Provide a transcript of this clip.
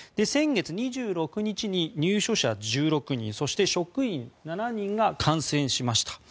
先月２６日に入所者１６人そして職員７人が感染しました。